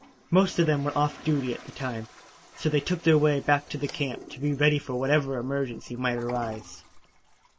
Most of them were off duty at the time, so they took their way back to camp to be ready for whatever emergency might arise.